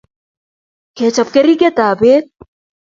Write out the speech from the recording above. Kechop keringet ab beek